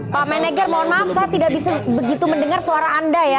pak menegger mohon maaf saya tidak bisa begitu mendengar suara anda ya